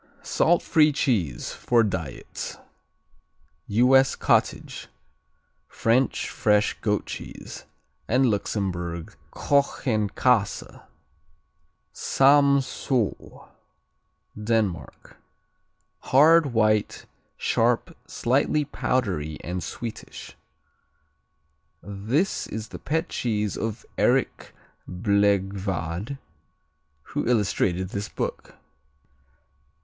Salt free cheese, for diets U.S. cottage; French fresh goat cheese; and Luxembourg Kochenkäse. Samsö Denmark Hard; white; sharp; slightly powdery and sweetish. This is the pet cheese of Erik Blegvad who illustrated this book.